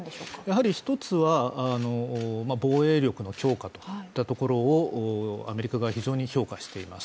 やはり一つは、防衛力の強化といったところをアメリカが非常に評価しています。